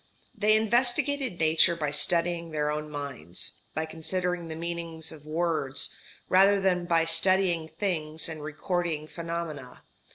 They investigated Nature by studying their own minds, by considering the meanings of words, rather than by studying things and recording phenomena.